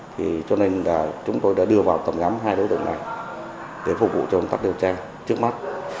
thì cho nên là chúng tôi đã đưa vào tầm ngắm hai đối tượng này để phục vụ cho công tác điều tra trước mắt